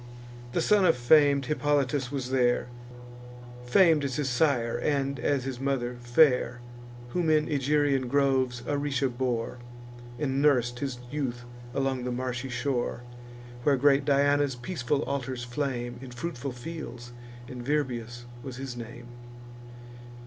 The son of fam'd Hippolytus was there, Fam'd as his sire, and, as his mother, fair; Whom in Egerian groves Aricia bore, And nurs'd his youth along the marshy shore, Where great Diana's peaceful altars flame, In fruitful fields; and Virbius was his name.